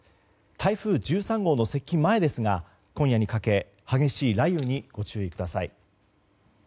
台風１３号の接近前ですが今夜にかけ、激しい雷雨にご注意ください。